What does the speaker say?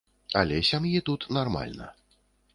Але сям'і тут нармальна.